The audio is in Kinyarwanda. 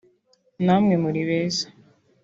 namwe muri beza